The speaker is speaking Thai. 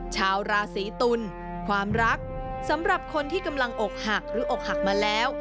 ชาวราศีตุลความรักสำหรับคนที่กำลังอกหักหรืออกหักมาแล้ว